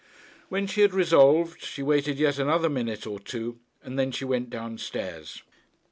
When she had resolved, she waited yet another minute or two, and then she went down stairs.